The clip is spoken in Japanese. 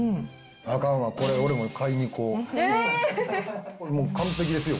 あかんわ、これ、俺も買いに行こう。